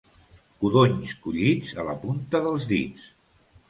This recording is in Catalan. Codonys collits a la punta dels dits.